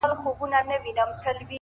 پوهه د انسان تلپاتې سرمایه ده’